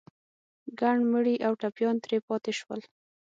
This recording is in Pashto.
ګڼ مړي او ټپيان ترې پاتې شول.